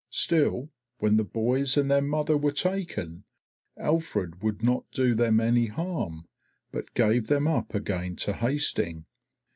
Still, when the boys and their mother were taken, Alfred would not do them any harm, but gave them up again to Hasting.